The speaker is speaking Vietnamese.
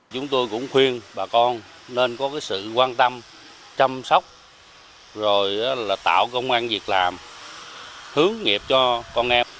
chúng tôi cũng khuyên bà con nên có sự quan tâm chăm sóc rồi là tạo công an việc làm hướng nghiệp cho con em